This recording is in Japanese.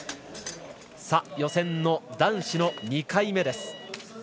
予選の男子の２回目です。